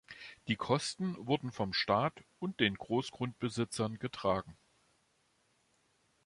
Die Kosten wurden vom Staat und den Großgrundbesitzern getragen.